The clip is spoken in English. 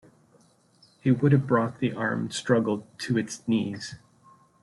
He would have brought the armed struggle to its knees.